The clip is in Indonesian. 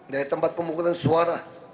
dari tempat pemukutan suara